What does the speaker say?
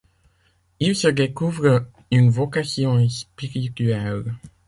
Il se découvre une vocation spirituelle.